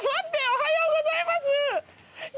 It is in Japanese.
おはようございます。